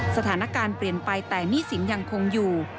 สถานการณ์เปลี่ยนไปแต่หนี้สินยังคงอยู่